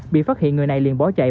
bị phát hiện người này liền bó chạy